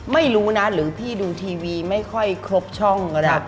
ไม่รู้นะหรือพี่ดูทีวีไม่ค่อยครบช่องก็ได้